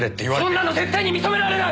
そんなの絶対に認められない！